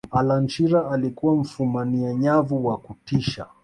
allan shearer alikuwa mfumania nyavu wa kutisha